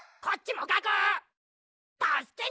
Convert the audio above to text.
こっちもがくっ！